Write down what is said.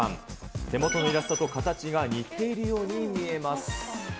手元のイラストと形が似ているように見えます。